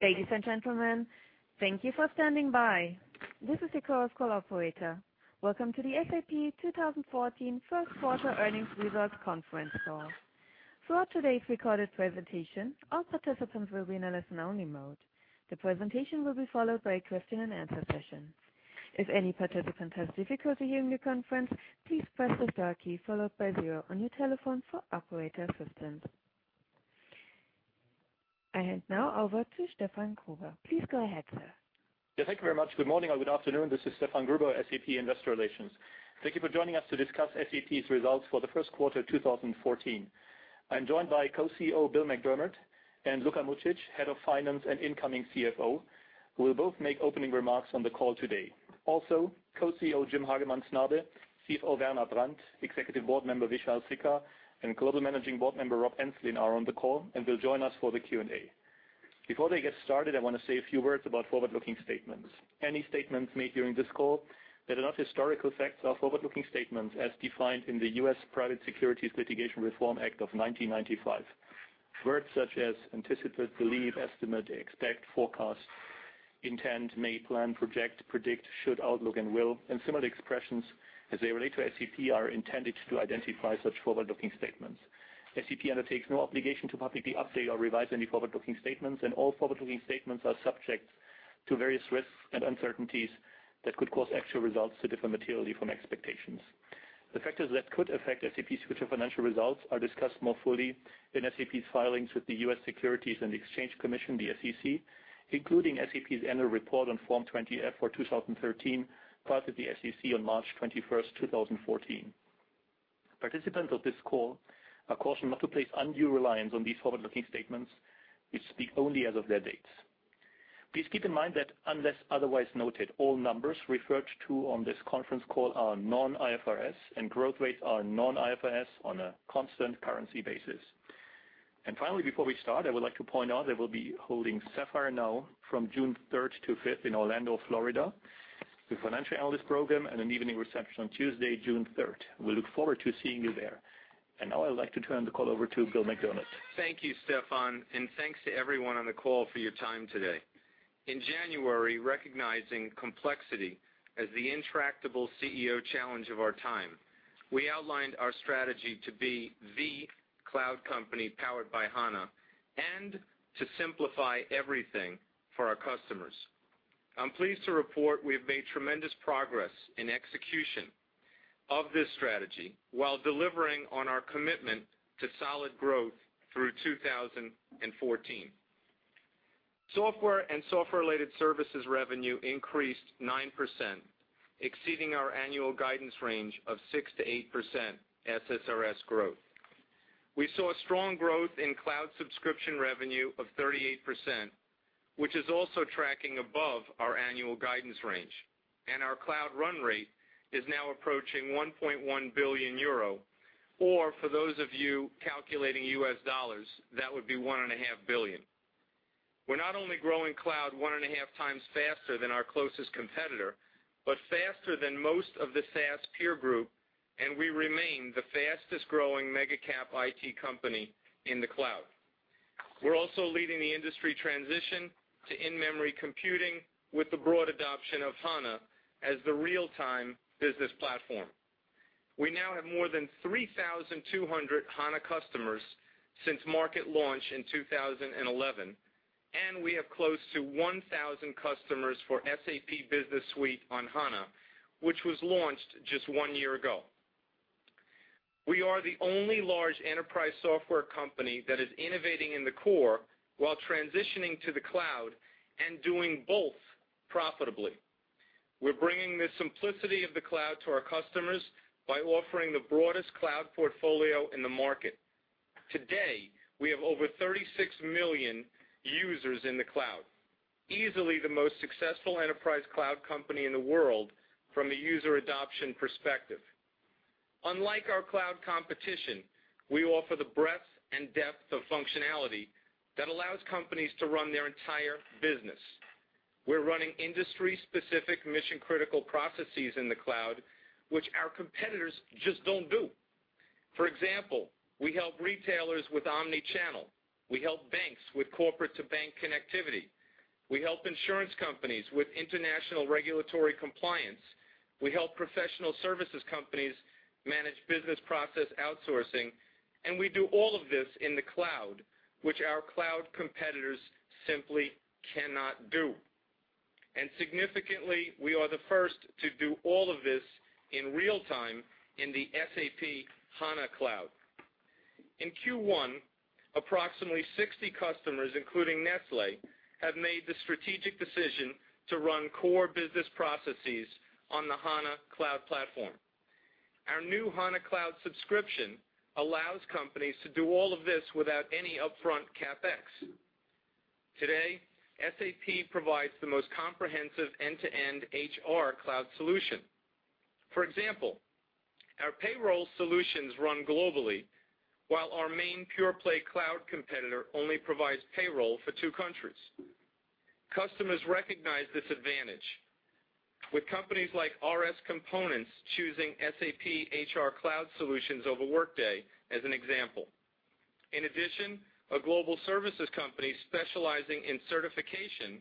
Ladies and gentlemen, thank you for standing by. This is your call's operator. Welcome to the SAP 2014 first quarter earnings results conference call. Throughout today's recorded presentation, all participants will be in a listen-only mode. The presentation will be followed by a question and answer session. If any participant has difficulty hearing the conference, please press the star key followed by zero on your telephone for operator assistance. I hand now over to Stefan Gruber. Please go ahead, sir. Yeah, thank you very much. Good morning or good afternoon. This is Stefan Gruber, SAP Investor Relations. Thank you for joining us to discuss SAP's results for the first quarter 2014. I am joined by Co-CEO Bill McDermott and Luka Mucic, Head of Finance and incoming CFO, who will both make opening remarks on the call today. Also, Co-CEO Jim Hagemann Snabe, CFO Werner Brandt, Executive Board Member Vishal Sikka, and Global Managing Board Member Rob Enslin are on the call and will join us for the Q&A. Before they get started, I want to say a few words about forward-looking statements. Any statements made during this call that are not historical facts are forward-looking statements as defined in the U.S. Private Securities Litigation Reform Act of 1995. Words such as anticipate, believe, estimate, expect, forecast, intend, may, plan, project, predict, should, outlook, and will, and similar expressions as they relate to SAP are intended to identify such forward-looking statements. SAP undertakes no obligation to publicly update or revise any forward-looking statements, and all forward-looking statements are subject to various risks and uncertainties that could cause actual results to differ materially from expectations. The factors that could affect SAP's future financial results are discussed more fully in SAP's filings with the U.S. Securities and Exchange Commission, the SEC, including SAP's annual report on Form 20-F for 2013, filed with the SEC on March 21st, 2014. Participants of this call are cautioned not to place undue reliance on these forward-looking statements, which speak only as of their dates. Please keep in mind that unless otherwise noted, all numbers referred to on this conference call are non-IFRS and growth rates are non-IFRS on a constant currency basis. Finally, before we start, I would like to point out that we'll be holding SAPPHIRE NOW from June 3rd to 5th in Orlando, Florida, with a financial analyst program and an evening reception on Tuesday, June 3rd. We look forward to seeing you there. Now I'd like to turn the call over to Bill McDermott. Thank you, Stefan, and thanks to everyone on the call for your time today. In January, recognizing complexity as the intractable CEO challenge of our time, we outlined our strategy to be the cloud company powered by SAP HANA and to simplify everything for our customers. I'm pleased to report we have made tremendous progress in execution of this strategy while delivering on our commitment to solid growth through 2014. Software and software-related services revenue increased 9%, exceeding our annual guidance range of 6%-8% SSRS growth. We saw strong growth in cloud subscription revenue of 38%, which is also tracking above our annual guidance range, and our cloud run rate is now approaching 1.1 billion euro, or for those of you calculating US dollars, that would be $1.5 billion. We're not only growing cloud one and a half times faster than our closest competitor, but faster than most of the SaaS peer group, and we remain the fastest-growing mega cap IT company in the cloud. We're also leading the industry transition to in-memory computing with the broad adoption of SAP HANA as the real-time business platform. We now have more than 3,200 SAP HANA customers since market launch in 2011, and we have close to 1,000 customers for SAP Business Suite on HANA, which was launched just one year ago. We are the only large enterprise software company that is innovating in the core while transitioning to the cloud and doing both profitably. We're bringing the simplicity of the cloud to our customers by offering the broadest cloud portfolio in the market. Today, we have over 36 million users in the cloud, easily the most successful enterprise cloud company in the world from a user adoption perspective. Unlike our cloud competition, we offer the breadth and depth of functionality that allows companies to run their entire business. We're running industry-specific mission-critical processes in the cloud, which our competitors just don't do. For example, we help retailers with omni-channel. We help banks with corporate-to-bank connectivity. We help insurance companies with international regulatory compliance. We help professional services companies manage business process outsourcing. We do all of this in the cloud, which our cloud competitors simply cannot do. Significantly, we are the first to do all of this in real time in the SAP HANA Cloud. In Q1, approximately 60 customers, including Nestlé, have made the strategic decision to run core business processes on the SAP HANA Cloud platform. Our new SAP HANA Cloud subscription allows companies to do all of this without any upfront CapEx. Today, SAP provides the most comprehensive end-to-end HR cloud solution. For example, our payroll solutions run globally, while our main pure-play cloud competitor only provides payroll for two countries. Customers recognize this advantage. With companies like RS Components choosing SAP HR Cloud solutions over Workday as an example. In addition, a global services company specializing in certification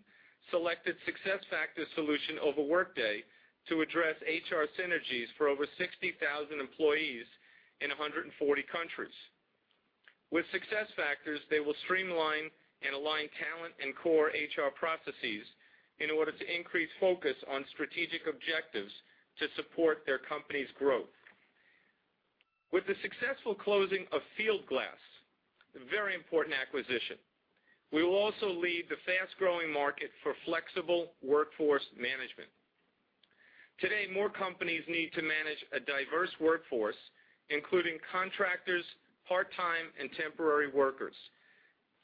selected SAP SuccessFactors solution over Workday to address HR synergies for over 60,000 employees in 140 countries. With SAP SuccessFactors, they will streamline and align talent and core HR processes in order to increase focus on strategic objectives to support their company's growth. With the successful closing of Fieldglass, a very important acquisition, we will also lead the fast-growing market for flexible workforce management. Today, more companies need to manage a diverse workforce, including contractors, part-time, and temporary workers.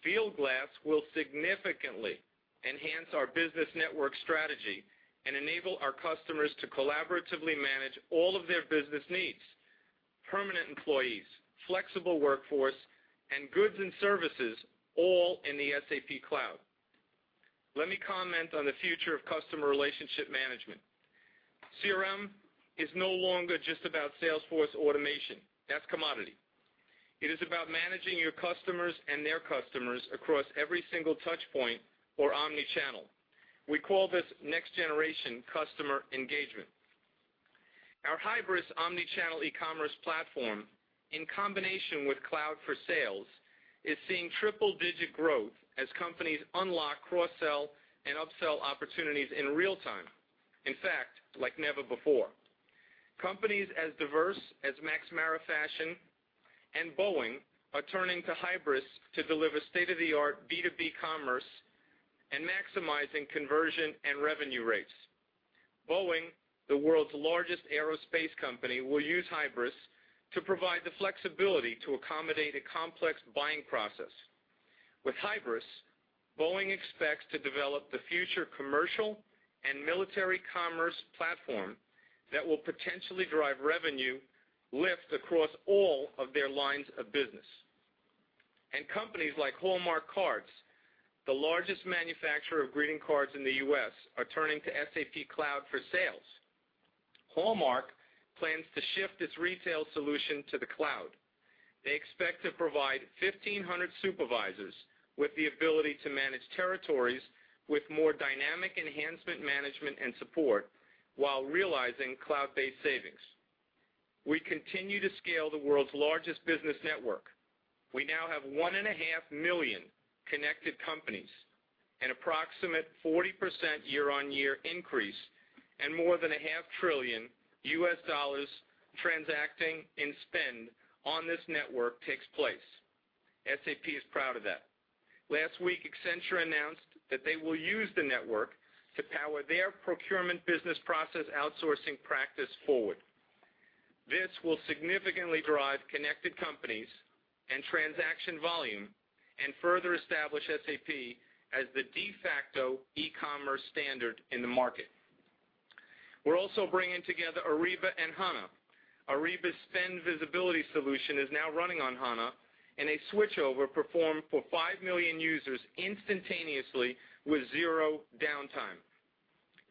Fieldglass will significantly enhance our business network strategy and enable our customers to collaboratively manage all of their business needs, permanent employees, flexible workforce, and goods and services, all in the SAP cloud. Let me comment on the future of customer relationship management. CRM is no longer just about sales force automation. That's commodity. It is about managing your customers and their customers across every single touch point or omnichannel. We call this next generation customer engagement. Our hybris omnichannel e-commerce platform, in combination with Cloud for Sales, is seeing triple-digit growth as companies unlock cross-sell and upsell opportunities in real-time, in fact, like never before. Companies as diverse as Max Mara Fashion and Boeing are turning to hybris to deliver state-of-the-art B2B commerce and maximizing conversion and revenue rates. Boeing, the world's largest aerospace company, will use hybris to provide the flexibility to accommodate a complex buying process. With hybris, Boeing expects to develop the future commercial and military commerce platform that will potentially drive revenue lift across all of their lines of business. Companies like Hallmark Cards, the largest manufacturer of greeting cards in the U.S., are turning to SAP Cloud for Sales. Hallmark plans to shift its retail solution to the cloud. They expect to provide 1,500 supervisors with the ability to manage territories with more dynamic enhancement management and support while realizing cloud-based savings. We continue to scale the world's largest business network. We now have 1.5 million connected companies, an approximate 40% year-on-year increase, and more than $0.5 trillion transacting in spend on this network takes place. SAP is proud of that. Last week, Accenture announced that they will use the network to power their procurement business process outsourcing practice forward. This will significantly drive connected companies and transaction volume and further establish SAP as the de facto e-commerce standard in the market. We're also bringing together Ariba and HANA. Ariba's spend visibility solution is now running on HANA in a switchover performed for 5 million users instantaneously with zero downtime.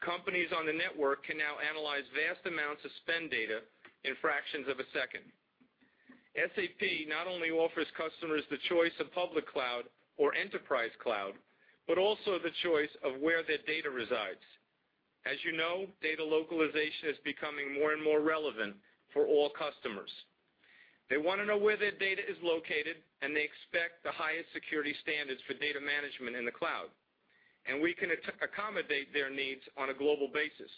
Companies on the network can now analyze vast amounts of spend data in fractions of a second. SAP not only offers customers the choice of public cloud or enterprise cloud, but also the choice of where their data resides. As you know, data localization is becoming more and more relevant for all customers. They want to know where their data is located, and they expect the highest security standards for data management in the cloud, and we can accommodate their needs on a global basis.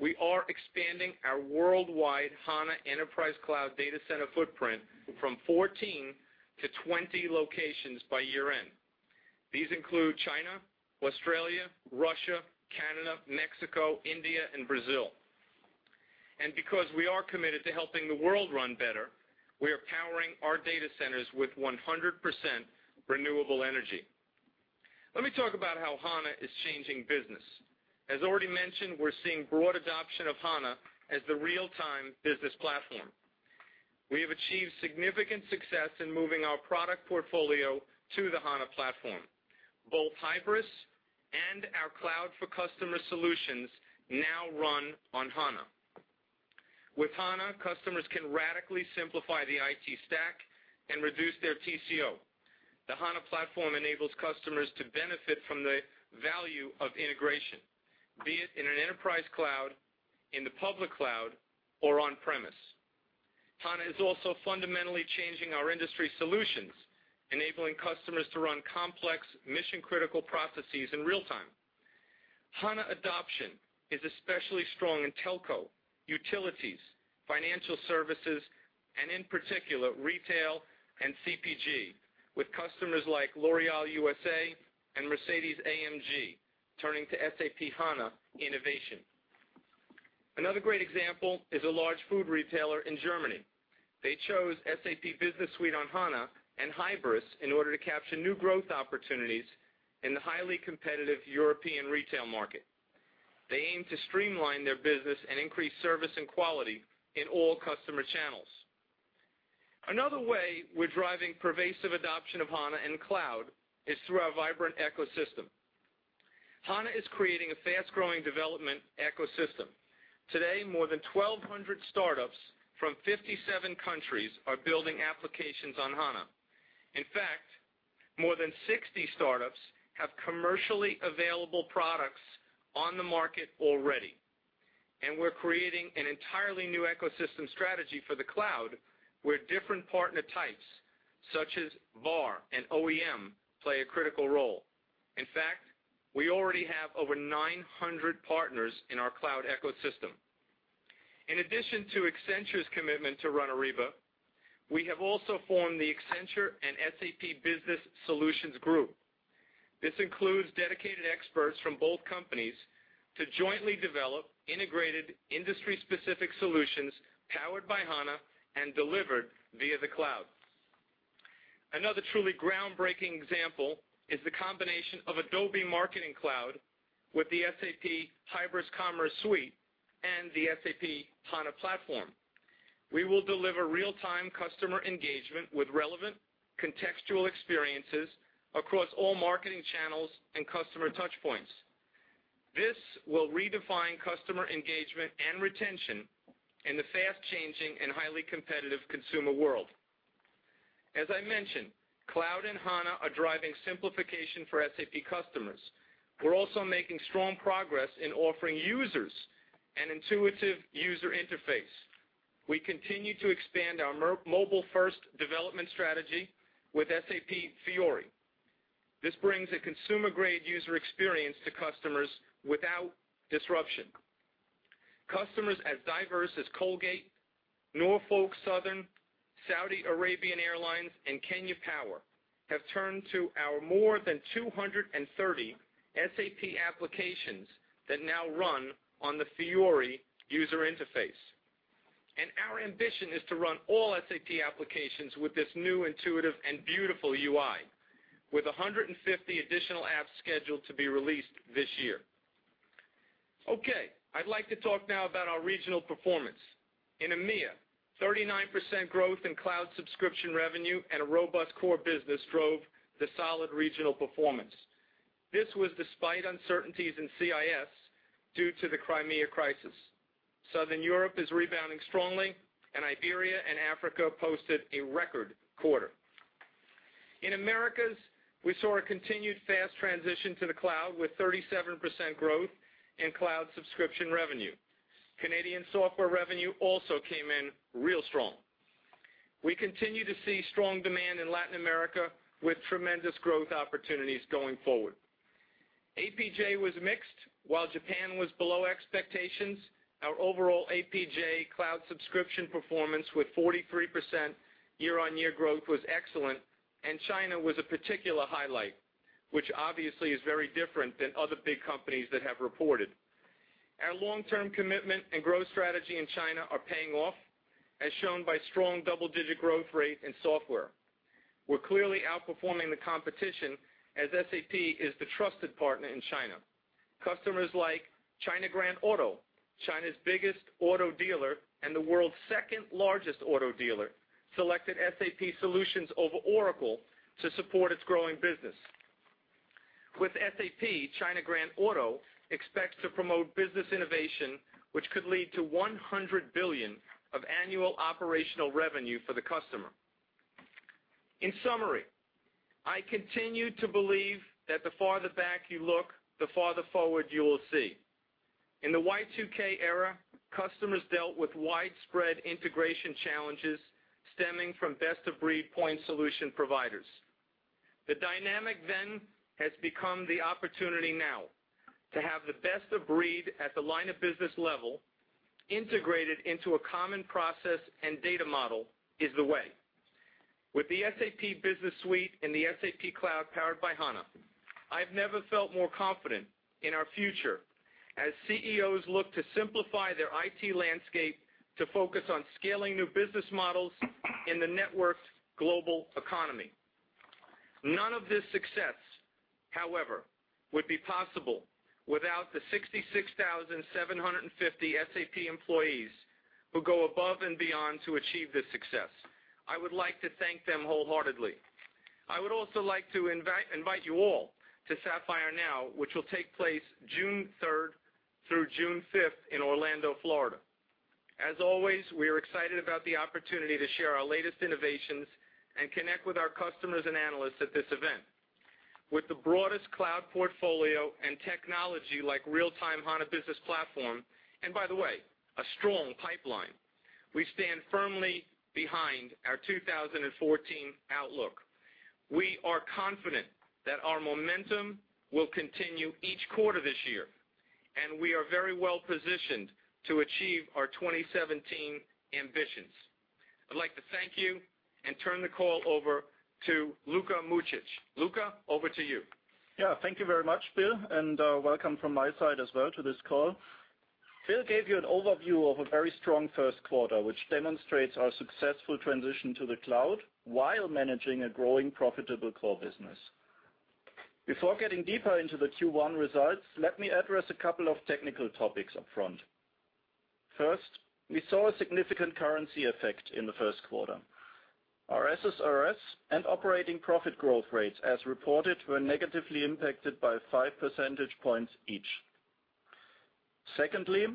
We are expanding our worldwide HANA Enterprise Cloud data center footprint from 14 to 20 locations by year-end. These include China, Australia, Russia, Canada, Mexico, India, and Brazil. Because we are committed to helping the world run better, we are powering our data centers with 100% renewable energy. Let me talk about how HANA is changing business. As already mentioned, we're seeing broad adoption of HANA as the real-time business platform. We have achieved significant success in moving our product portfolio to the HANA platform. Both hybris and our Cloud for Customer solutions now run on HANA. With HANA, customers can radically simplify the IT stack and reduce their TCO. The HANA platform enables customers to benefit from the value of integration, be it in an enterprise cloud, in the public cloud, or on-premise. HANA is also fundamentally changing our industry solutions, enabling customers to run complex mission-critical processes in real time. HANA adoption is especially strong in telco, utilities, financial services, and in particular, retail and CPG, with customers like L'Oréal USA and Mercedes-AMG turning to SAP HANA innovation. Another great example is a large food retailer in Germany. They chose SAP Business Suite on HANA and hybris in order to capture new growth opportunities in the highly competitive European retail market. They aim to streamline their business and increase service and quality in all customer channels. Another way we're driving pervasive adoption of HANA in cloud is through our vibrant ecosystem. HANA is creating a fast-growing development ecosystem. Today, more than 1,200 startups from 57 countries are building applications on HANA. In fact, more than 60 startups have commercially available products on the market already. We're creating an entirely new ecosystem strategy for the cloud, where different partner types, such as VAR and OEM, play a critical role. In fact, we already have over 900 partners in our cloud ecosystem. In addition to Accenture's commitment to run Ariba, we have also formed the Accenture & SAP Business Solutions Group. This includes dedicated experts from both companies to jointly develop integrated industry-specific solutions powered by HANA and delivered via the cloud. Another truly groundbreaking example is the combination of Adobe Marketing Cloud with the SAP hybris Commerce Suite and the SAP HANA platform. We will deliver real-time customer engagement with relevant contextual experiences across all marketing channels and customer touchpoints. This will redefine customer engagement and retention in the fast-changing and highly competitive consumer world. As I mentioned, cloud and HANA are driving simplification for SAP customers. We're also making strong progress in offering users an intuitive user interface. We continue to expand our mobile-first development strategy with SAP Fiori. This brings a consumer-grade user experience to customers without disruption. Customers as diverse as Colgate-Palmolive, Norfolk Southern, Saudi Arabian Airlines, and Kenya Power have turned to our more than 230 SAP applications that now run on the Fiori user interface. Our ambition is to run all SAP applications with this new intuitive and beautiful UI, with 150 additional apps scheduled to be released this year. Okay. I'd like to talk now about our regional performance. In EMEA, 39% growth in cloud subscription revenue and a robust core business drove the solid regional performance. This was despite uncertainties in CIS due to the Crimea crisis. Southern Europe is rebounding strongly, and Iberia and Africa posted a record quarter. In Americas, we saw a continued fast transition to the cloud with 37% growth in cloud subscription revenue. Canadian software revenue also came in real strong. We continue to see strong demand in Latin America with tremendous growth opportunities going forward. APJ was mixed. While Japan was below expectations, our overall APJ cloud subscription performance with 43% year-on-year growth was excellent, and China was a particular highlight, which obviously is very different than other big companies that have reported. Our long-term commitment and growth strategy in China are paying off, as shown by strong double-digit growth rate in software. We're clearly outperforming the competition, as SAP is the trusted partner in China. Customers like China Grand Auto, China's biggest auto dealer and the world's second-largest auto dealer, selected SAP solutions over Oracle to support its growing business. With SAP, China Grand Auto expects to promote business innovation, which could lead to 100 billion of annual operational revenue for the customer. In summary, I continue to believe that the farther back you look, the farther forward you will see. In the Y2K era, customers dealt with widespread integration challenges stemming from best-of-breed point solution providers. The dynamic then has become the opportunity now. To have the best of breed at the line of business level integrated into a common process and data model is the way. With the SAP Business Suite and the SAP Cloud powered by SAP HANA, I've never felt more confident in our future as CEOs look to simplify their IT landscape to focus on scaling new business models in the networked global economy. None of this success, however, would be possible without the 66,750 SAP employees who go above and beyond to achieve this success. I would like to thank them wholeheartedly. I would also like to invite you all to SAPPHIRE NOW, which will take place June 3rd through June 5th in Orlando, Florida. As always, we are excited about the opportunity to share our latest innovations and connect with our customers and analysts at this event. With the broadest cloud portfolio and technology like real-time SAP HANA business platform, and by the way, a strong pipeline, we stand firmly behind our 2014 outlook. We are confident that our momentum will continue each quarter this year, and we are very well-positioned to achieve our 2017 ambitions. I'd like to thank you and turn the call over to Luka Mucic. Luka, over to you. Thank you very much, Bill, and welcome from my side as well to this call. Bill gave you an overview of a very strong first quarter, which demonstrates our successful transition to the cloud while managing a growing profitable core business. Before getting deeper into the Q1 results, let me address a couple of technical topics up front. First, we saw a significant currency effect in the first quarter. Our SSRS and operating profit growth rates, as reported, were negatively impacted by 5 percentage points each. Secondly,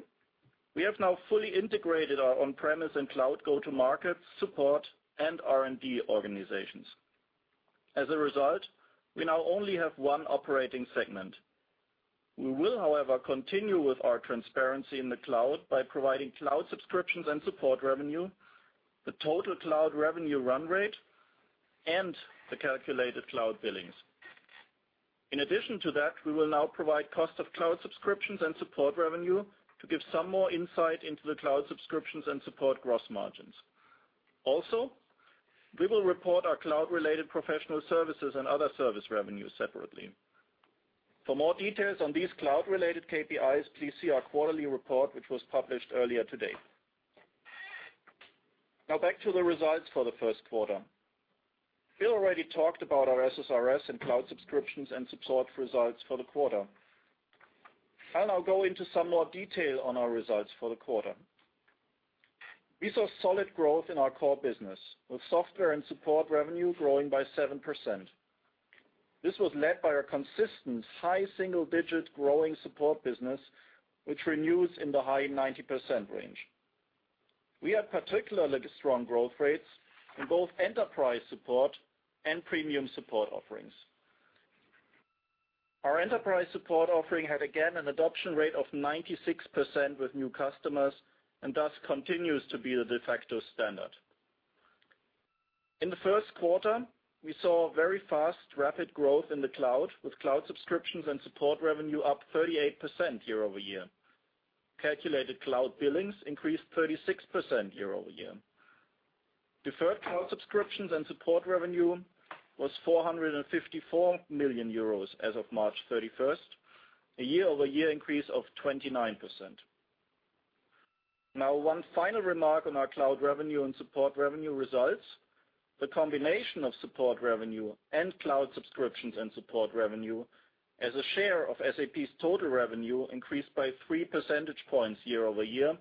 we have now fully integrated our on-premise and cloud go-to markets, support, and R&D organizations. As a result, we now only have one operating segment. We will, however, continue with our transparency in the cloud by providing cloud subscriptions and support revenue, the total cloud revenue run rate, and the calculated cloud billings. In addition to that, we will now provide cost of cloud subscriptions and support revenue to give some more insight into the cloud subscriptions and support gross margins. Also, we will report our cloud-related professional services and other service revenue separately. For more details on these cloud-related KPIs, please see our quarterly report, which was published earlier today. Now back to the results for the first quarter. Bill already talked about our SSRS and cloud subscriptions and support results for the quarter. I'll now go into some more detail on our results for the quarter. We saw solid growth in our core business, with software and support revenue growing by 7%. This was led by our consistent high single-digit growing support business, which renews in the high 90% range. We had particularly strong growth rates in both enterprise support and premium support offerings. Our enterprise support offering had, again, an adoption rate of 96% with new customers, thus continues to be the de facto standard. In the first quarter, we saw very fast, rapid growth in the cloud, with cloud subscriptions and support revenue up 38% year-over-year. Calculated cloud billings increased 36% year-over-year. Deferred cloud subscriptions and support revenue was €454 million as of March 31st, a year-over-year increase of 29%. One final remark on our cloud revenue and support revenue results. The combination of support revenue and cloud subscriptions and support revenue as a share of SAP's total revenue increased by three percentage points year-over-year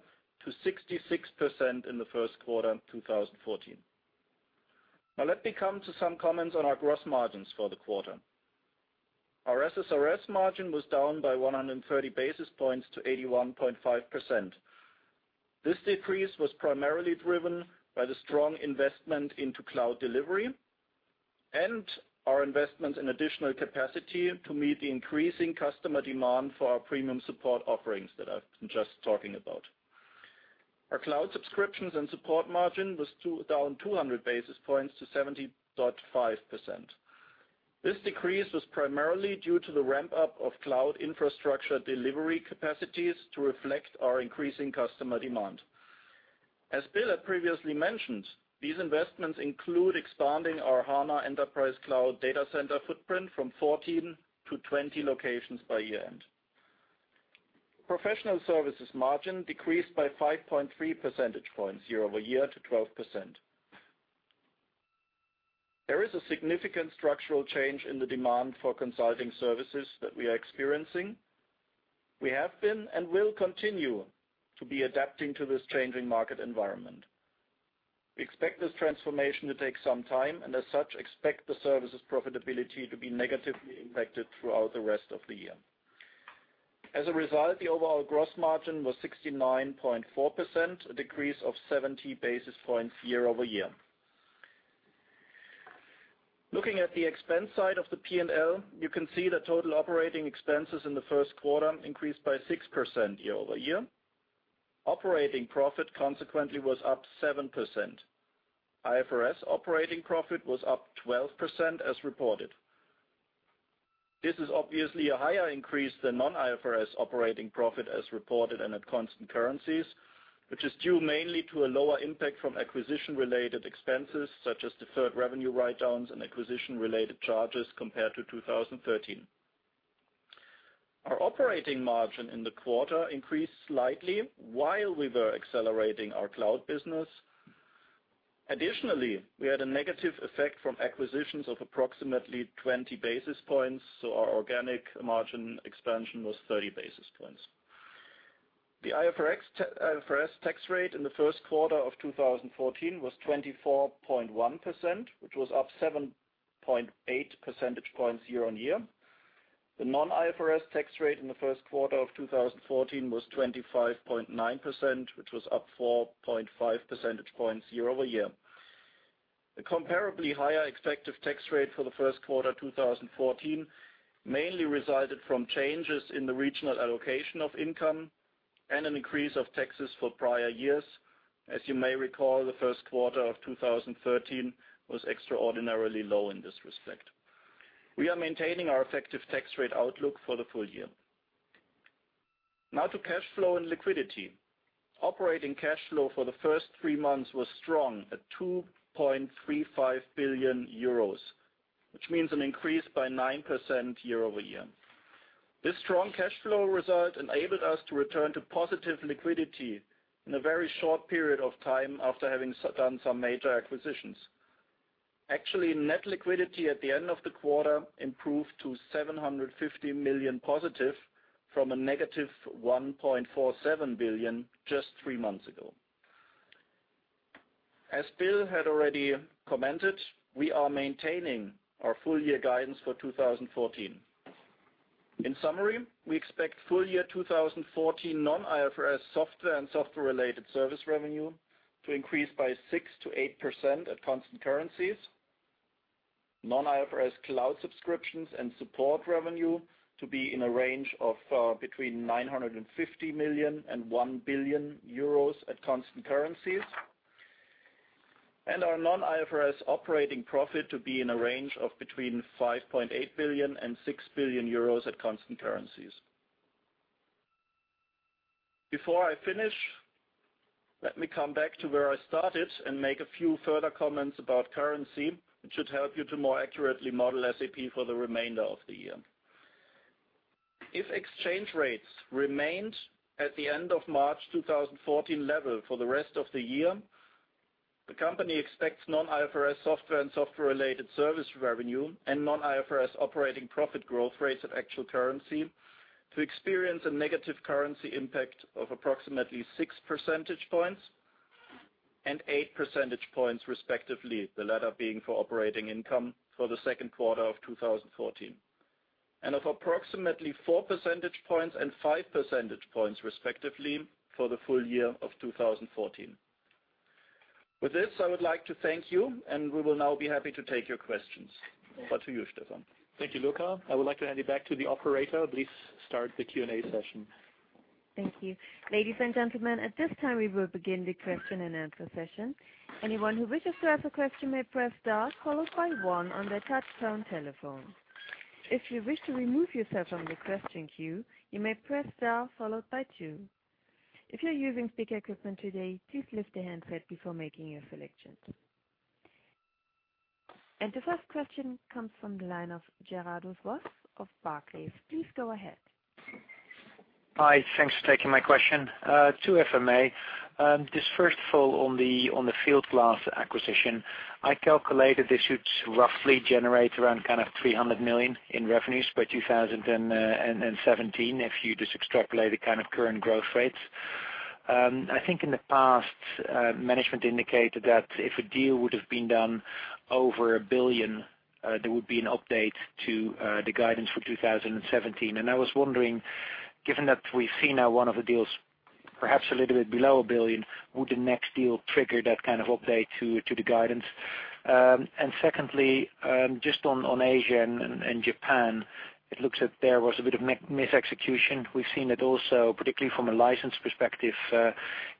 to 66% in the first quarter of 2014. Let me come to some comments on our gross margins for the quarter. Our SSRS margin was down by 130 basis points to 81.5%. This decrease was primarily driven by the strong investment into cloud delivery and our investment in additional capacity to meet the increasing customer demand for our premium support offerings that I've been just talking about. Our cloud subscriptions and support margin was down 200 basis points to 70.5%. This decrease was primarily due to the ramp-up of cloud infrastructure delivery capacities to reflect our increasing customer demand. As Bill had previously mentioned, these investments include expanding our SAP HANA Enterprise Cloud data center footprint from 14 to 20 locations by year-end. Professional services margin decreased by 5.3 percentage points year-over-year to 12%. There is a significant structural change in the demand for consulting services that we are experiencing. We have been, and will continue to be adapting to this changing market environment. We expect this transformation to take some time, as such, expect the services profitability to be negatively impacted throughout the rest of the year. As a result, the overall gross margin was 69.4%, a decrease of 70 basis points year-over-year. Looking at the expense side of the P&L, you can see that total operating expenses in the first quarter increased by 6% year-over-year. Operating profit consequently was up 7%. IFRS operating profit was up 12% as reported. This is obviously a higher increase than non-IFRS operating profit as reported and at constant currencies, which is due mainly to a lower impact from acquisition-related expenses such as deferred revenue write-downs and acquisition-related charges compared to 2013. Our operating margin in the quarter increased slightly while we were accelerating our cloud business. Additionally, we had a negative effect from acquisitions of approximately 20 basis points, our organic margin expansion was 30 basis points. The IFRS tax rate in the first quarter of 2014 was 24.1%, which was up 7.8 percentage points year-on-year. The non-IFRS tax rate in the first quarter of 2014 was 25.9%, which was up 4.5 percentage points year-over-year. The comparably higher effective tax rate for the first quarter 2014 mainly resulted from changes in the regional allocation of income and an increase of taxes for prior years. As you may recall, the first quarter of 2013 was extraordinarily low in this respect. We are maintaining our effective tax rate outlook for the full year. To cash flow and liquidity. Operating cash flow for the first three months was strong at €2.35 billion, which means an increase by 9% year-over-year. This strong cash flow result enabled us to return to positive liquidity in a very short period of time after having done some major acquisitions. Actually, net liquidity at the end of the quarter improved to 750 million positive from a negative 1.47 billion just three months ago. As Bill had already commented, we are maintaining our full-year guidance for 2014. In summary, we expect full-year 2014 non-IFRS software and software-related service revenue to increase by 6%-8% at constant currencies. Non-IFRS cloud subscriptions and support revenue to be in a range of between 950 million and 1 billion euros at constant currencies. And our non-IFRS operating profit to be in a range of between 5.8 billion and 6 billion euros at constant currencies. Before I finish, let me come back to where I started and make a few further comments about currency, which should help you to more accurately model SAP for the remainder of the year. If exchange rates remained at the end of March 2014 level for the rest of the year, the company expects non-IFRS software and software-related service revenue and non-IFRS operating profit growth rates at actual currency to experience a negative currency impact of approximately 6 percentage points and 8 percentage points respectively, the latter being for operating income for the second quarter of 2014, and of approximately 4 percentage points and 5 percentage points respectively for the full year of 2014. With this, I would like to thank you, and we will now be happy to take your questions. Over to you, Stefan. Thank you, Luka. I would like to hand it back to the operator. Please start the Q&A session. Thank you. Ladies and gentlemen, at this time, we will begin the question and answer session. Anyone who wishes to ask a question may press star followed by one on their touch-tone telephone. If you wish to remove yourself from the question queue, you may press star followed by two. If you're using speaker equipment today, please lift the handset before making your selection. The first question comes from the line of Gerardus Vos of Barclays. Please go ahead. Hi, thanks for taking my question. Two FMA. First of all, on the Fieldglass acquisition. I calculated this should roughly generate around 300 million in revenues by 2017 if you just extrapolate the kind of current growth rates. I think in the past, management indicated that if a deal would have been done over 1 billion, there would be an update to the guidance for 2017. I was wondering, given that we see now one of the deals perhaps a little bit below 1 billion, would the next deal trigger that kind of update to the guidance? Secondly, just on Asia and Japan, it looks that there was a bit of misexecution. We've seen it also, particularly from a license perspective,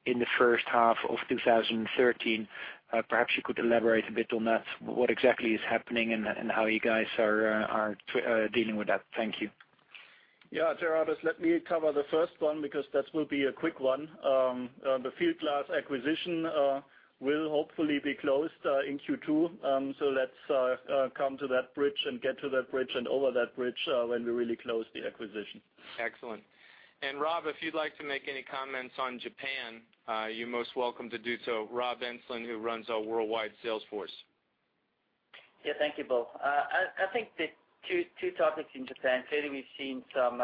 in the first half of 2013. Perhaps you could elaborate a bit on that, what exactly is happening and how you guys are dealing with that. Thank you. Gerardus, let me cover the first one because that will be a quick one. The Fieldglass acquisition will hopefully be closed in Q2. Let's come to that bridge and get to that bridge and over that bridge when we really close the acquisition. Excellent. Rob, if you'd like to make any comments on Japan, you're most welcome to do so. Robert Enslin, who runs our worldwide sales force. Yeah. Thank you, Bill. I think the two topics in Japan, clearly, we've seen some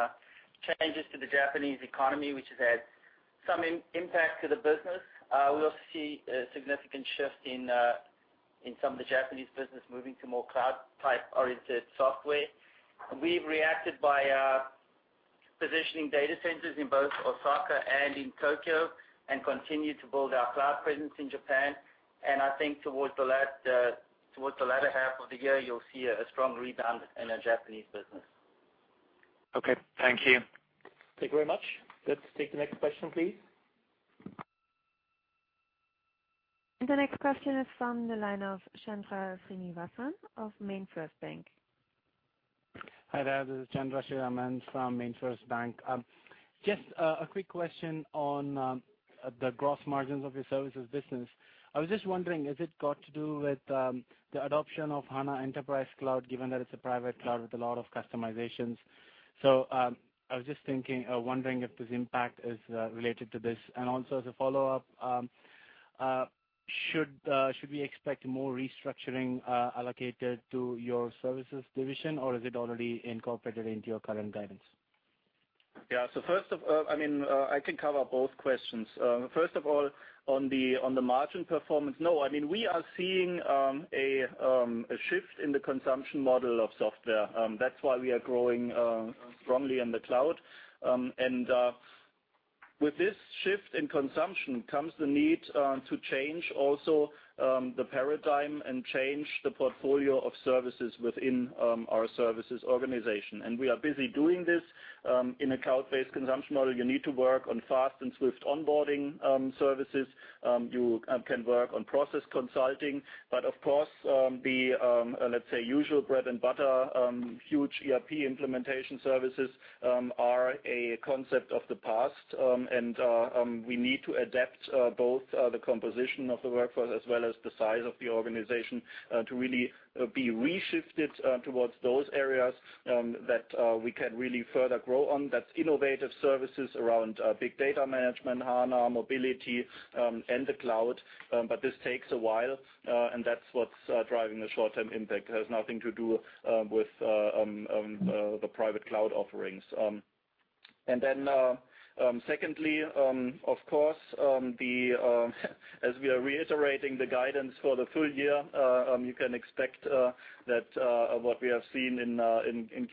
changes to the Japanese economy, which has had some impact to the business. We also see a significant shift in some of the Japanese business moving to more cloud-type-oriented software. We've reacted by positioning data centers in both Osaka and in Tokyo and continue to build our cloud presence in Japan. I think towards the latter half of the year, you'll see a strong rebound in our Japanese business. Okay. Thank you. Thank you very much. Let's take the next question, please. The next question is from the line of Chandra Sriraman of MainFirst Bank. Hi there. This is Chandra Sriraman from MainFirst Bank. Just a quick question on the gross margins of your services business. I was just wondering, has it got to do with the adoption of HANA Enterprise Cloud, given that it's a private cloud with a lot of customizations? I was just wondering if this impact is related to this. Also as a follow-up, should we expect more restructuring allocated to your services division, or is it already incorporated into your current guidance? Yeah. I can cover both questions. First of all, on the margin performance, no. We are seeing a shift in the consumption model of software. That's why we are growing strongly in the cloud. With this shift in consumption comes the need to change also the paradigm and change the portfolio of services within our services organization. We are busy doing this. In a cloud-based consumption model, you need to work on fast and swift onboarding services. You can work on process consulting. Of course, the, let's say, usual bread and butter, huge ERP implementation services are a concept of the past, and we need to adapt both the composition of the workforce as well as the size of the organization to really be reshifted towards those areas that we can really further grow on. That's innovative services around big data management, HANA, mobility, and the cloud. This takes a while, and that's what's driving the short-term impact. It has nothing to do with the private cloud offerings. Secondly, of course, as we are reiterating the guidance for the full year, you can expect that what we have seen in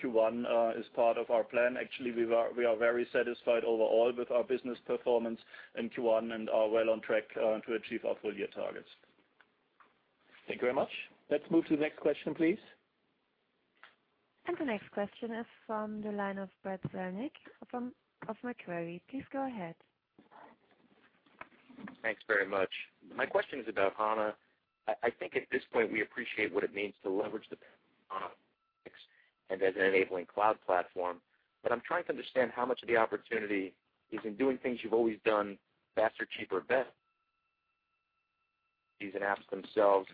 Q1 is part of our plan. Actually, we are very satisfied overall with our business performance in Q1 and are well on track to achieve our full-year targets. Thank you very much. Let's move to the next question, please. The next question is from the line of Brad Zelnick of Macquarie. Please go ahead. Thanks very much. My question is about HANA. I think at this point, we appreciate what it means to leverage the HANA and as an enabling cloud platform. I'm trying to understand how much of the opportunity is in doing things you've always done faster, cheaper, better. These apps themselves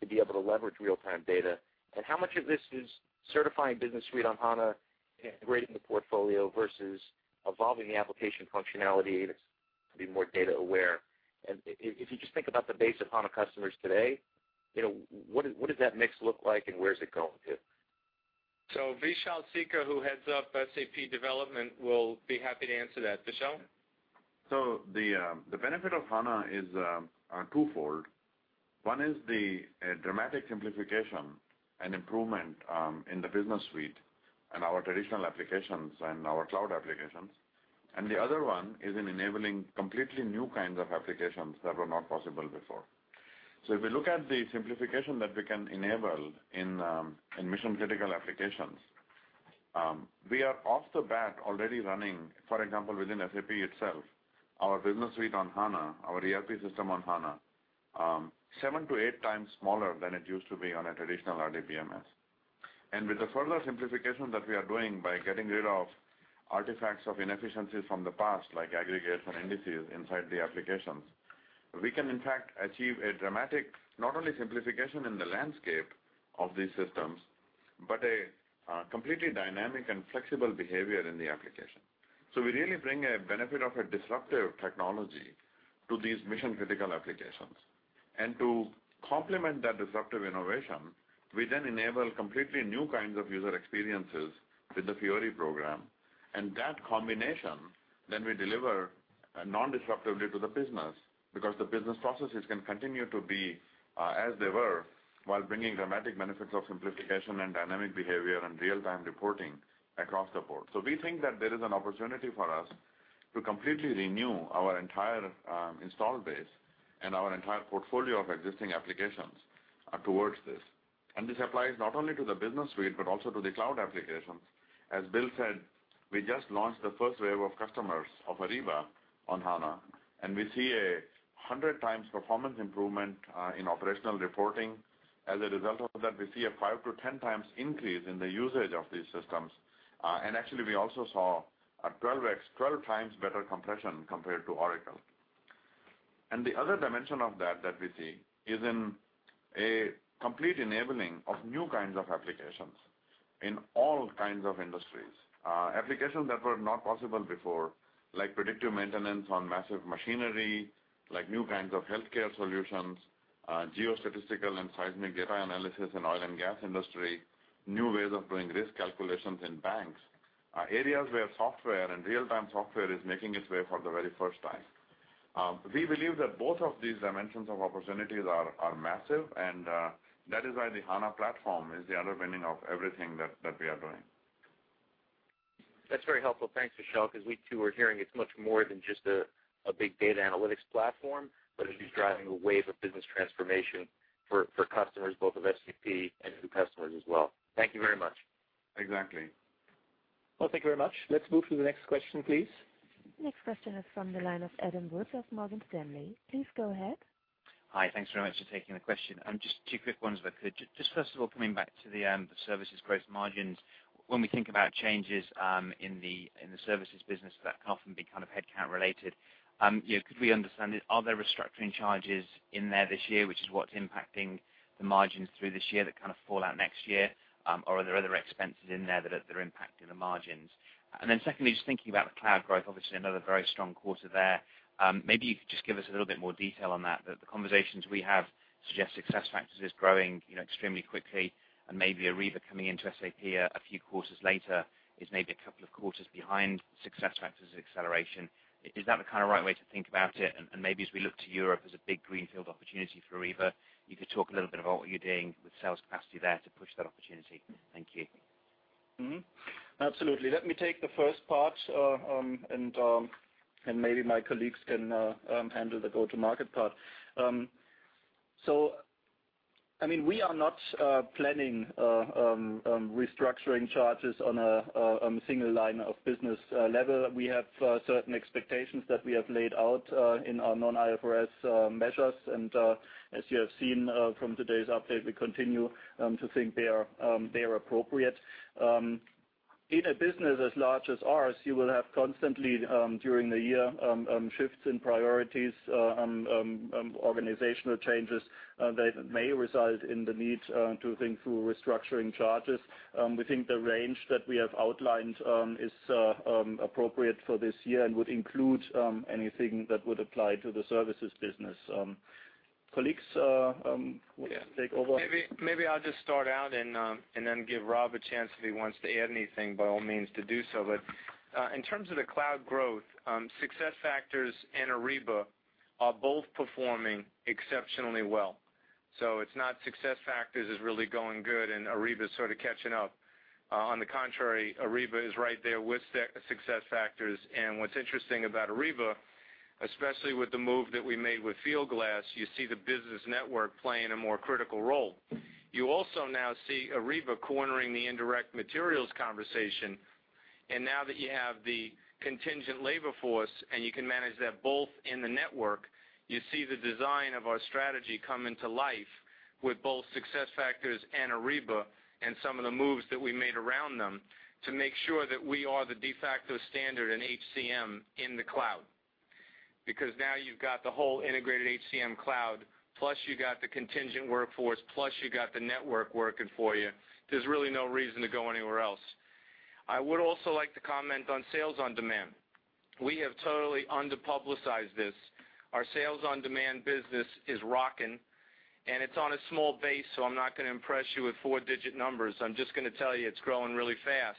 to be able to leverage real-time data. How much of this is certifying Business Suite on HANA and integrating the portfolio versus evolving the application functionality to be more data aware. If you just think about the base of HANA customers today, what does that mix look like, and where is it going to? Vishal Sikka, who heads up SAP development, will be happy to answer that. Vishal? The benefit of HANA is twofold. One is the dramatic simplification and improvement in the Business Suite and our traditional applications and our cloud applications. The other one is in enabling completely new kinds of applications that were not possible before. If we look at the simplification that we can enable in mission-critical applications, we are off the bat already running, for example, within SAP itself, our Business Suite on HANA, our ERP system on HANA, seven to eight times smaller than it used to be on a traditional RDBMS. With the further simplification that we are doing by getting rid of artifacts of inefficiencies from the past, like aggregates and indices inside the applications, we can in fact achieve a dramatic, not only simplification in the landscape of these systems, but a completely dynamic and flexible behavior in the application. We really bring a benefit of a disruptive technology to these mission-critical applications. To complement that disruptive innovation, we then enable completely new kinds of user experiences with the Fiori program. That combination, then we deliver non-disruptively to the business because the business processes can continue to be as they were while bringing dramatic benefits of simplification and dynamic behavior and real-time reporting across the board. We think that there is an opportunity for us to completely renew our entire install base and our entire portfolio of existing applications towards this. This applies not only to the Business Suite, but also to the cloud applications. As Bill said, we just launched the first wave of customers of Ariba on HANA, and we see a 100 times performance improvement in operational reporting. As a result of that, we see a 5 to 10 times increase in the usage of these systems. Actually, we also saw a 12 times better compression compared to Oracle. The other dimension of that we see, is in a complete enabling of new kinds of applications in all kinds of industries. Applications that were not possible before, like predictive maintenance on massive machinery, like new kinds of healthcare solutions, geostatistical and seismic data analysis in oil and gas industry, new ways of doing risk calculations in banks, areas where software and real-time software is making its way for the very first time. We believe that both of these dimensions of opportunities are massive, and that is why the HANA platform is the underpinning of everything that we are doing. That's very helpful. Thanks, Vishal, because we too are hearing it's much more than just a big data analytics platform, but it is driving a wave of business transformation for customers, both of SAP and new customers as well. Thank you very much. Exactly. Well, thank you very much. Let's move to the next question, please. Next question is from the line of Adam Wood of Morgan Stanley. Please go ahead. Hi. Thanks very much for taking the question. Two quick ones if I could. First of all, coming back to the services gross margins. When we think about changes in the services business, that can often be headcount related. Could we understand, are there restructuring charges in there this year, which is what's impacting the margins through this year that kind of fall out next year? Or are there other expenses in there that are impacting the margins? Secondly, just thinking about the cloud growth, obviously another very strong quarter there. Maybe you could just give us a little bit more detail on that. The conversations we have suggest SuccessFactors is growing extremely quickly and maybe Ariba coming into SAP a few quarters later is maybe a couple of quarters behind SuccessFactors' acceleration. Is that the right way to think about it? Maybe as we look to Europe as a big greenfield opportunity for Ariba, you could talk a little bit about what you're doing with sales capacity there to push that opportunity. Thank you. Absolutely. Let me take the first part, and maybe my colleagues can handle the go-to-market part. We are not planning restructuring charges on a single line of business level. We have certain expectations that we have laid out in our non-IFRS measures. As you have seen from today's update, we continue to think they are appropriate. In a business as large as ours, you will have constantly, during the year, shifts in priorities, organizational changes that may result in the need to think through restructuring charges. We think the range that we have outlined is appropriate for this year and would include anything that would apply to the services business. Colleagues, want to take over? Maybe I'll just start out and then give Rob a chance, if he wants to add anything, by all means, do so. In terms of the cloud growth, SuccessFactors and Ariba are both performing exceptionally well. It's not SuccessFactors is really going good and Ariba is sort of catching up. On the contrary, Ariba is right there with SuccessFactors. What's interesting about Ariba, especially with the move that we made with Fieldglass, you see the business network playing a more critical role. You also now see Ariba cornering the indirect materials conversation. Now that you have the contingent labor force, and you can manage that both in the network, you see the design of our strategy coming to life with both SuccessFactors and Ariba, and some of the moves that we made around them to make sure that we are the de facto standard in HCM in the cloud. Because now you've got the whole integrated HCM cloud, plus you got the contingent workforce, plus you got the network working for you. There's really no reason to go anywhere else. I would also like to comment on Sales OnDemand. We have totally under-publicized this. Our Sales OnDemand business is rocking, and it's on a small base, so I'm not going to impress you with four-digit numbers. I'm just going to tell you it's growing really fast.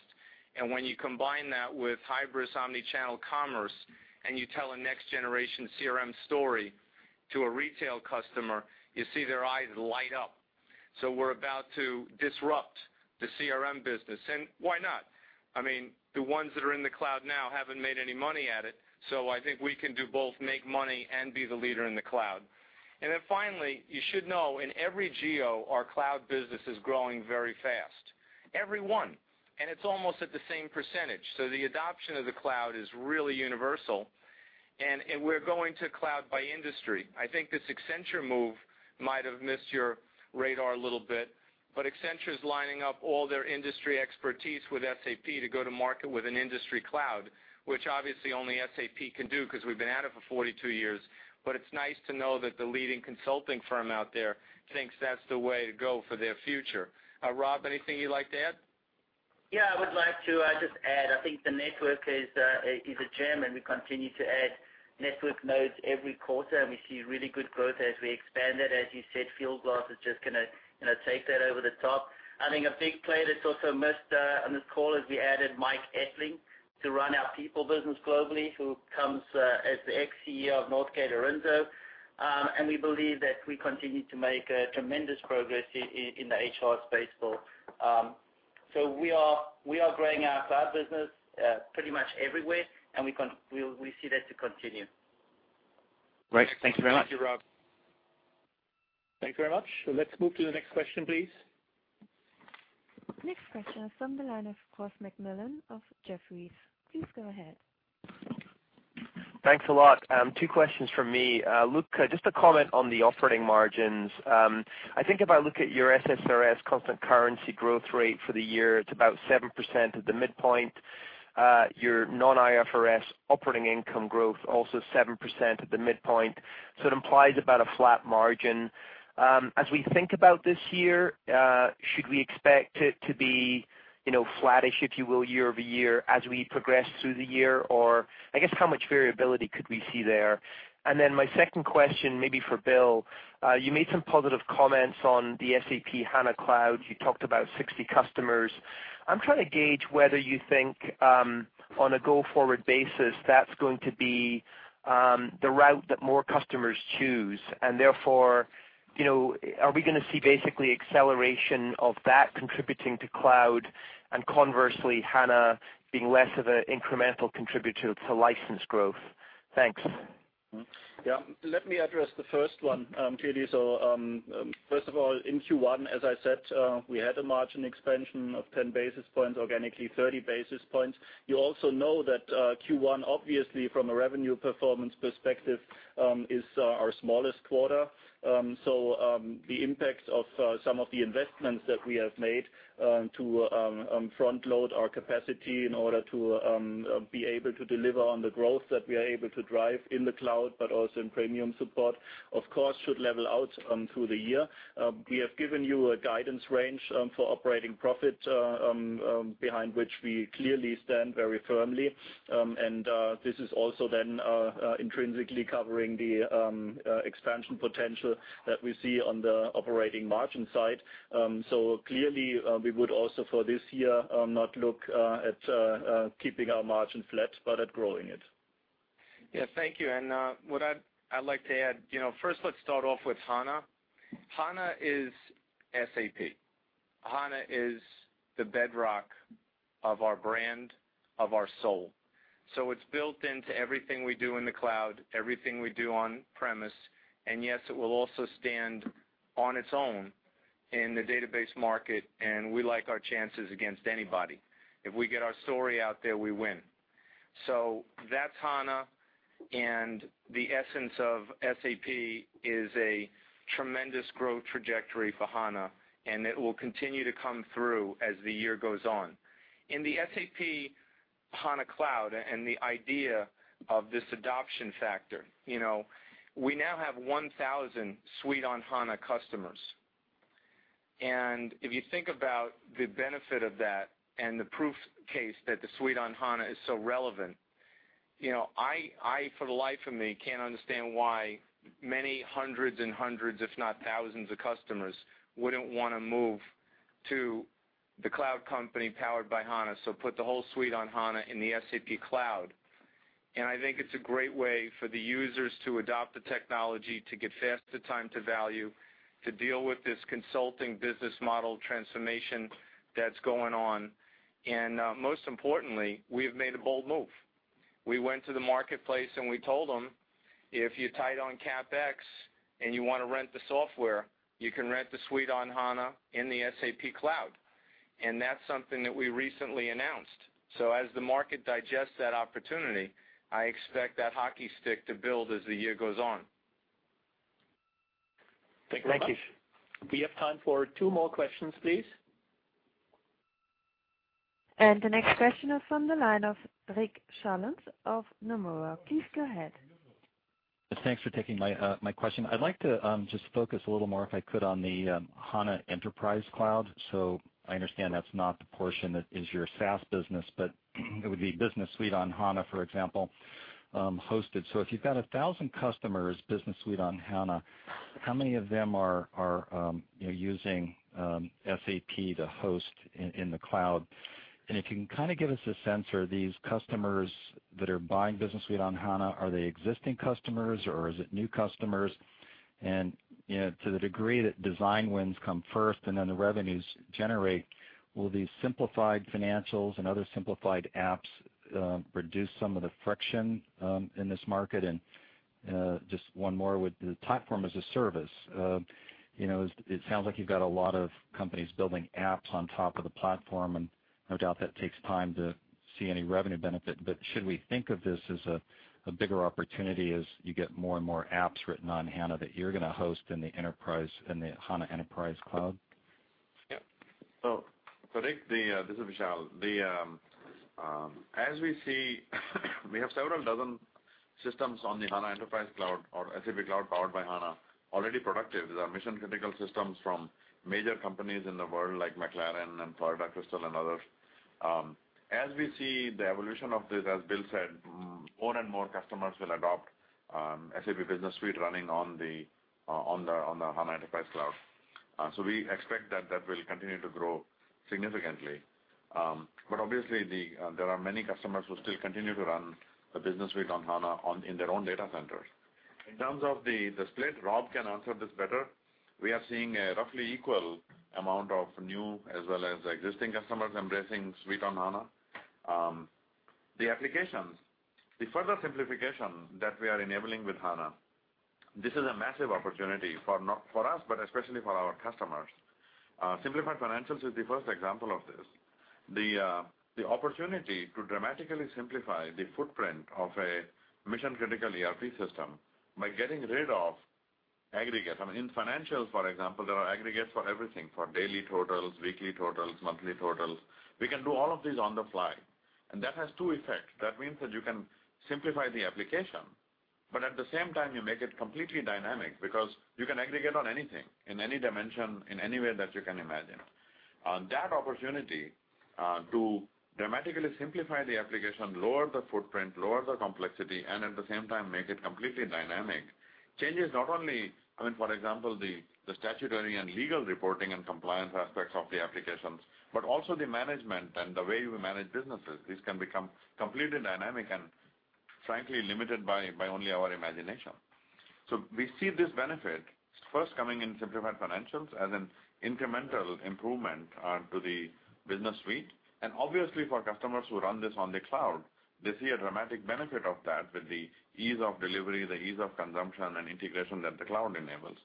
When you combine that with hybris omnichannel commerce, and you tell a next-generation CRM story to a retail customer, you see their eyes light up. We're about to disrupt the CRM business. Why not? I mean, the ones that are in the cloud now haven't made any money at it. I think we can do both make money and be the leader in the cloud. Then finally, you should know in every geo, our cloud business is growing very fast. Every one. It's almost at the same percentage. The adoption of the cloud is really universal, and we're going to cloud by industry. I think this Accenture move might have missed your radar a little bit, Accenture's lining up all their industry expertise with SAP to go to market with an industry cloud, which obviously only SAP can do because we've been at it for 42 years. It's nice to know that the leading consulting firm out there thinks that's the way to go for their future. Rob, anything you'd like to add? I would like to just add, I think the network is a gem, and we continue to add network nodes every quarter, and we see really good growth as we expand it. As you said, Fieldglass is just going to take that over the top. I think a big play that's also missed on this call is we added Mike Ettling to run our people business globally, who comes as the ex-CEO of NorthgateArinso. We believe that we continue to make tremendous progress in the HR space. We are growing our cloud business pretty much everywhere, and we see that to continue. Great. Thank you very much. Thank you, Rob. Thank you very much. Let's move to the next question, please. Next question is from the line of Ross MacMillan of Jefferies. Please go ahead. Thanks a lot. Two questions from me. Luka, just a comment on the operating margins. I think if I look at your SSRS constant currency growth rate for the year, it's about 7% at the midpoint. Your non-IFRS operating income growth, also 7% at the midpoint. It implies about a flat margin. As we think about this year, should we expect it to be flattish, if you will, year-over-year as we progress through the year, or I guess, how much variability could we see there? My second question may be for Bill. You made some positive comments on the SAP HANA Cloud. You talked about 60 customers. I'm trying to gauge whether you think, on a go-forward basis, that's going to be the route that more customers choose. Therefore, are we going to see basically acceleration of that contributing to cloud, and conversely, HANA being less of an incremental contributor to license growth? Thanks. Yeah. Let me address the first one clearly. First of all, in Q1, as I said, we had a margin expansion of 10 basis points organically, 30 basis points. You also know that Q1, obviously, from a revenue performance perspective, is our smallest quarter. The impact of some of the investments that we have made to front load our capacity in order to be able to deliver on the growth that we are able to drive in the cloud, but also in premium support, of course, should level out through the year. We have given you a guidance range for operating profit, behind which we clearly stand very firmly. This is also then intrinsically covering the expansion potential that we see on the operating margin side. Clearly, we would also, for this year, not look at keeping our margin flat but at growing it. Yeah. Thank you. What I'd like to add, first, let's start off with HANA. HANA is SAP. HANA is the bedrock of our brand, of our soul. It's built into everything we do in the cloud, everything we do on-premise. Yes, it will also stand on its own in the database market, and we like our chances against anybody. If we get our story out there, we win. That's HANA, and the essence of SAP is a tremendous growth trajectory for HANA, and it will continue to come through as the year goes on. In the SAP HANA Cloud and the idea of this adoption factor, we now have 1,000 Suite on HANA customers. If you think about the benefit of that and the proof case that the Suite on HANA is so relevant, I, for the life of me, can't understand why many hundreds and hundreds, if not thousands of customers wouldn't want to move to the cloud company powered by HANA. Put the whole Suite on HANA in the SAP Cloud. I think it's a great way for the users to adopt the technology, to get faster time to value, to deal with this consulting business model transformation that's going on. Most importantly, we have made a bold move. We went to the marketplace, and we told them, "If you're tight on CapEx and you want to rent the software, you can rent the Suite on HANA in the SAP Cloud." That's something that we recently announced. As the market digests that opportunity, I expect that hockey stick to build as the year goes on. Thank you. Thank you. We have time for two more questions, please. The next question is on the line of Rick Sherlund of Nomura. Please go ahead. Thanks for taking my question. I'd like to just focus a little more, if I could, on the SAP HANA Enterprise Cloud. I understand that's not the portion that is your SaaS business, but it would be SAP Business Suite on HANA, for example, hosted. If you've got 1,000 customers SAP Business Suite on HANA, how many of them are using SAP to host in the cloud? If you can kind of give us a sense, are these customers that are buying SAP Business Suite on HANA, are they existing customers, or is it new customers? To the degree that design wins come first and then the revenues generate, will these simplified financials and other simplified apps reduce some of the friction in this market? Just one more. With the platform as a service, it sounds like you've got a lot of companies building apps on top of the platform, and no doubt that takes time to see any revenue benefit. Should we think of this as a bigger opportunity as you get more and more apps written on SAP HANA that you're going to host in the SAP HANA Enterprise Cloud? Yep. Rick, this is Vishal. As we see, we have several dozen systems on the HANA Enterprise Cloud or SAP Cloud powered by HANA already productive. These are mission-critical systems from major companies in the world like McLaren and Florida Crystals and others. As we see the evolution of this, as Bill said, more and more customers will adopt SAP Business Suite running on the HANA Enterprise Cloud. We expect that will continue to grow significantly. Obviously, there are many customers who still continue to run the Business Suite on HANA in their own data centers. In terms of the split, Rob can answer this better. We are seeing a roughly equal amount of new as well as existing customers embracing Suite on HANA. The applications, the further simplification that we are enabling with HANA, this is a massive opportunity for not for us, but especially for our customers. Simplified Financials is the first example of this. The opportunity to dramatically simplify the footprint of a mission-critical ERP system by getting rid of aggregates. I mean, in financials, for example, there are aggregates for everything. For daily totals, weekly totals, monthly totals. We can do all of these on the fly. That has two effects. That means that you can simplify the application, at the same time, you make it completely dynamic because you can aggregate on anything, in any dimension, in any way that you can imagine. That opportunity to dramatically simplify the application, lower the footprint, lower the complexity, at the same time, make it completely dynamic, changes not only, I mean, for example, the statutory and legal reporting and compliance aspects of the applications, but also the management and the way we manage businesses. These can become completely dynamic and frankly limited by only our imagination. We see this benefit first coming in Simplified Financials as an incremental improvement to the Business Suite. Obviously for customers who run this on the cloud, they see a dramatic benefit of that with the ease of delivery, the ease of consumption, and integration that the cloud enables.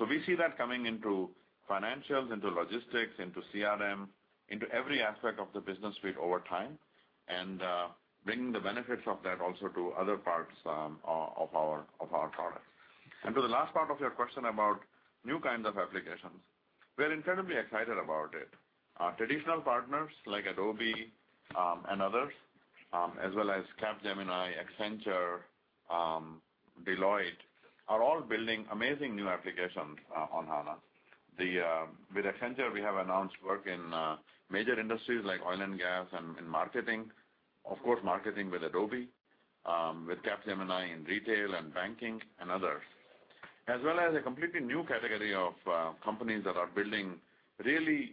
We see that coming into financials, into logistics, into CRM, into every aspect of the Business Suite over time, and bringing the benefits of that also to other parts of our products. To the last part of your question about new kinds of applications, we're incredibly excited about it. Traditional partners like Adobe and others, as well as Capgemini, Accenture, Deloitte, are all building amazing new applications on HANA. With Accenture, we have announced work in major industries like oil and gas and in marketing. Of course, marketing with Adobe, with Capgemini in retail and banking, and others. As well as a completely new category of companies that are building really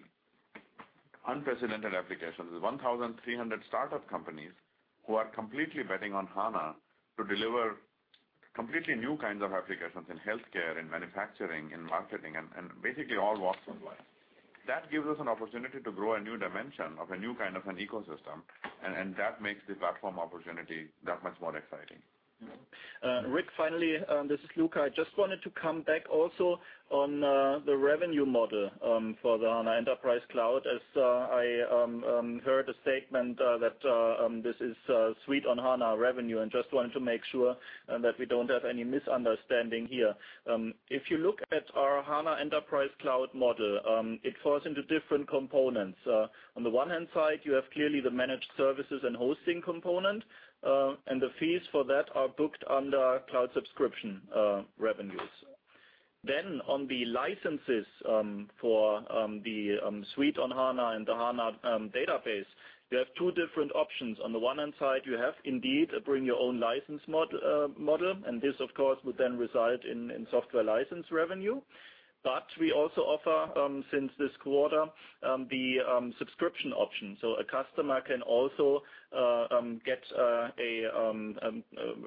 unprecedented applications. There's 1,300 startup companies who are completely betting on HANA to deliver completely new kinds of applications in healthcare, in manufacturing, in marketing, and basically all walks of life. That gives us an opportunity to grow a new dimension of a new kind of an ecosystem, and that makes the platform opportunity that much more exciting. Rick, finally, this is Luka. I just wanted to come back also on the revenue model for the SAP HANA Enterprise Cloud, as I heard a statement that this is a Suite on HANA revenue, and just wanted to make sure that we don't have any misunderstanding here. If you look at our SAP HANA Enterprise Cloud model, it falls into different components. On the one-hand side, you have clearly the managed services and hosting component, and the fees for that are booked under cloud subscription revenue. Then on the licenses for the Suite on HANA and the SAP HANA database, you have two different options. On the one-hand side, you have indeed a bring your own license model. This, of course, would then reside in software license revenue. We also offer, since this quarter, the subscription option. A customer can also get a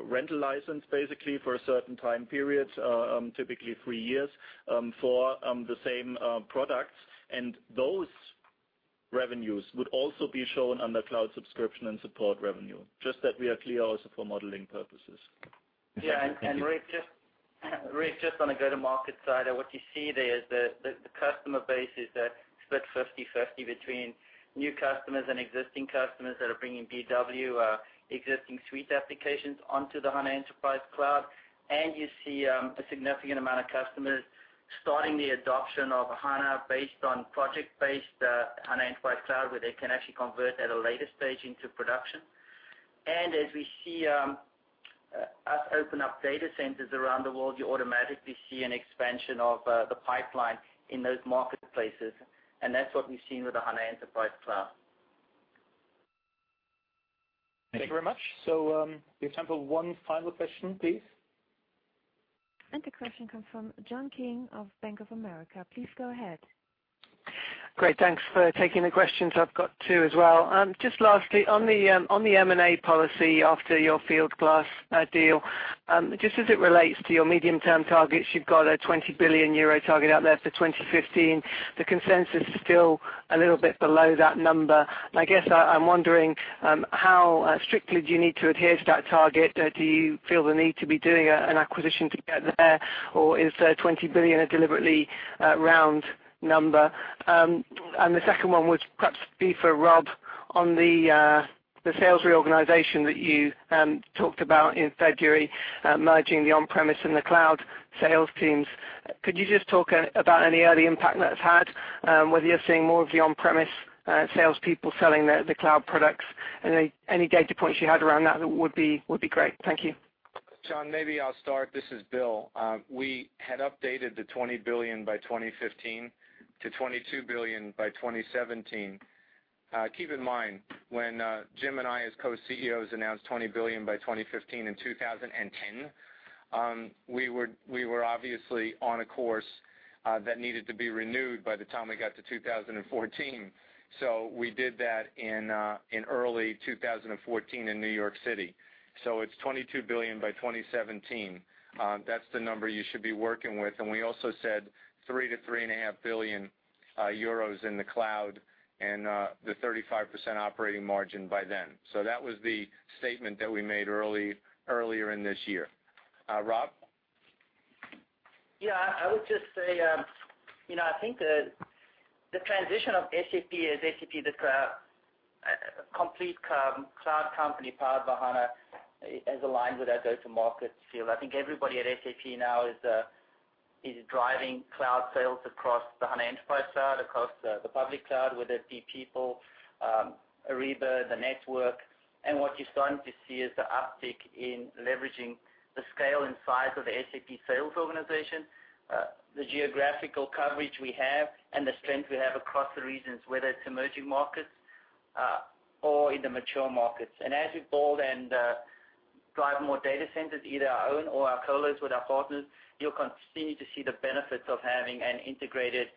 rental license, basically, for a certain time period, typically three years, for the same products. Those revenues would also be shown under cloud subscription and support revenue. Just that we are clear also for modeling purposes. Rick, just on the go-to-market side, what you see there is the customer base is split 50/50 between new customers and existing customers that are bringing SAP BW existing suite applications onto the SAP HANA Enterprise Cloud. You see a significant amount of customers starting the adoption of SAP HANA based on project-based SAP HANA Enterprise Cloud, where they can actually convert at a later stage into production. As we see us open up data centers around the world, you automatically see an expansion of the pipeline in those marketplaces. That's what we've seen with the SAP HANA Enterprise Cloud. Thank you very much. We have time for one final question, please. The question comes from John King of Bank of America. Please go ahead. Great. Thanks for taking the questions. I've got two as well. Just lastly, on the M&A policy after your Fieldglass deal, just as it relates to your medium-term targets, you've got a 20 billion euro target out there for 2015. The consensus is still a little bit below that number. I guess I'm wondering, how strictly do you need to adhere to that target? Do you feel the need to be doing an acquisition to get there, or is 20 billion a deliberately round number? The second one would perhaps be for Rob on the sales reorganization that you talked about in February, merging the on-premise and the cloud sales teams. Could you just talk about any early impact that's had, whether you're seeing more of the on-premise salespeople selling the cloud products? Any data points you had around that would be great. Thank you. John, maybe I'll start. This is Bill. We had updated the 20 billion by 2015 to 22 billion by 2017. Keep in mind, when Jim and I, as co-CEOs, announced 20 billion by 2015 in 2010, we were obviously on a course that needed to be renewed by the time we got to 2014. We did that in early 2014 in New York City. It's 22 billion by 2017. That's the number you should be working with. We also said 3 billion euros to EUR 3.5 billion in the cloud and the 35% operating margin by then. That was the statement that we made earlier in this year. Rob? Yeah, I would just say, I think the transition of SAP as SAP, the complete cloud company powered by HANA, has aligned with our go-to-market field. I think everybody at SAP now is driving cloud sales across the HANA Enterprise Cloud, across the public cloud, whether it be People, Ariba, the network. What you're starting to see is the uptick in leveraging the scale and size of the SAP sales organization, the geographical coverage we have, and the strength we have across the regions, whether it's emerging markets or in the mature markets. As we build and drive more data centers, either our own or our colos with our partners, you'll continue to see the benefits of having an integrated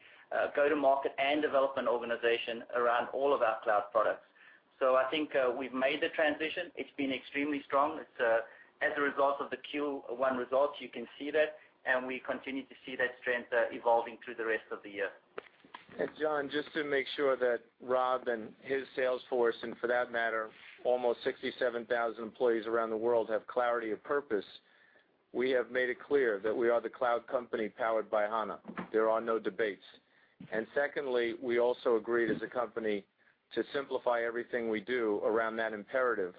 go-to-market and development organization around all of our cloud products. I think we've made the transition. It's been extremely strong. As a result of the Q1 results, you can see that. We continue to see that strength evolving through the rest of the year. John, just to make sure that Rob and his sales force, and for that matter, almost 67,000 employees around the world have clarity of purpose, we have made it clear that we are the cloud company powered by HANA. There are no debates. Secondly, we also agreed as a company to simplify everything we do around that imperative.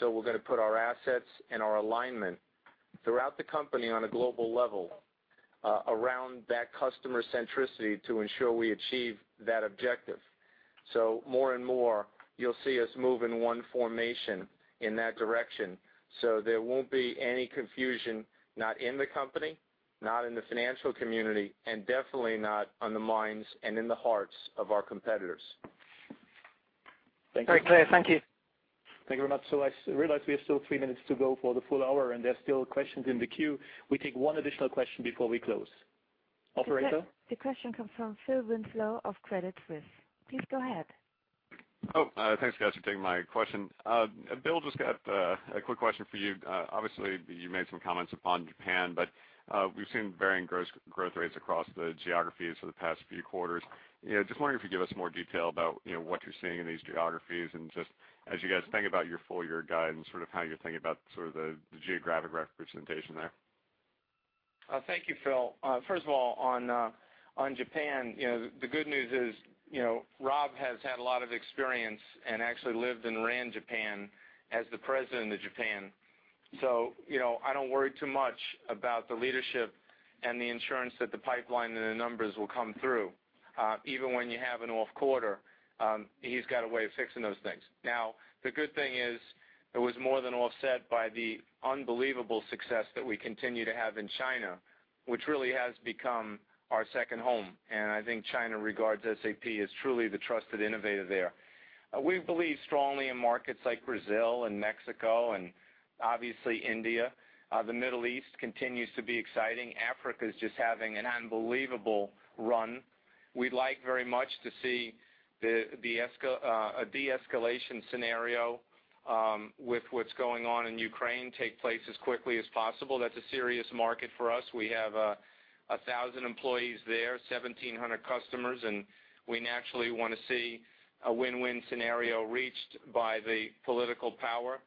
We're going to put our assets and our alignment throughout the company on a global level around that customer centricity to ensure we achieve that objective. More and more, you'll see us move in one formation in that direction. There won't be any confusion, not in the company, not in the financial community, and definitely not on the minds and in the hearts of our competitors. Very clear. Thank you. Thank you very much. I realize we have still three minutes to go for the full hour. There's still questions in the queue. We take one additional question before we close. Operator? The question comes from Philip Winslow of Credit Suisse. Please go ahead. Thanks, guys, for taking my question. Bill, just got a quick question for you. Obviously, you made some comments upon Japan, but we've seen varying growth rates across the geographies for the past few quarters. Just wondering if you give us more detail about what you're seeing in these geographies and just as you guys think about your full-year guidance, sort of how you're thinking about sort of the geographic representation there. Thank you, Phil. First of all, on Japan, the good news is Rob has had a lot of experience and actually lived and ran Japan as the president of Japan. I don't worry too much about the leadership and the insurance that the pipeline and the numbers will come through. Even when you have an off quarter, he's got a way of fixing those things. The good thing is, it was more than offset by the unbelievable success that we continue to have in China, which really has become our second home. I think China regards SAP as truly the trusted innovator there. We believe strongly in markets like Brazil and Mexico and obviously India. The Middle East continues to be exciting. Africa is just having an unbelievable run. We'd like very much to see a de-escalation scenario with what's going on in Ukraine take place as quickly as possible. That's a serious market for us. We have 1,000 employees there, 1,700 customers, we naturally want to see a win-win scenario reached by the political power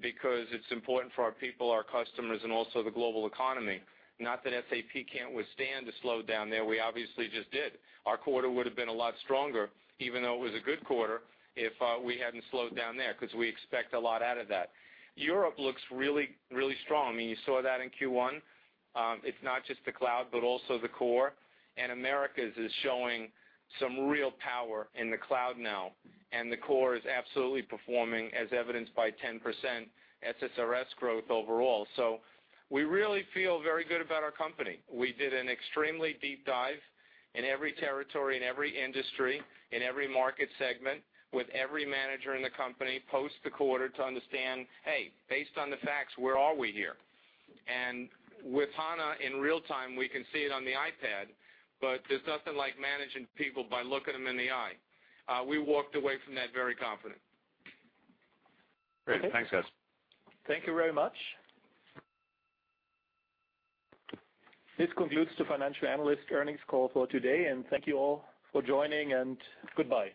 because it's important for our people, our customers, and also the global economy. Not that SAP can't withstand a slowdown there. We obviously just did. Our quarter would've been a lot stronger, even though it was a good quarter, if we hadn't slowed down there, because we expect a lot out of that. Europe looks really strong. You saw that in Q1. It's not just the cloud, but also the core. Americas is showing some real power in the cloud now, and the core is absolutely performing, as evidenced by 10% SSRS growth overall. We really feel very good about our company. We did an extremely deep dive in every territory, in every industry, in every market segment, with every manager in the company post the quarter to understand, hey, based on the facts, where are we here? With SAP HANA, in real time, we can see it on the iPad, but there's nothing like managing people by looking them in the eye. We walked away from that very confident. Great. Thanks, guys. Thank you very much. This concludes the financial analyst earnings call for today, and thank you all for joining, and goodbye.